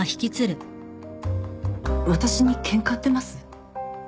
私にケンカ売ってます？